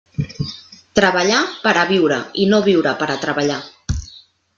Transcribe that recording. Treballar per a viure i no viure per a treballar.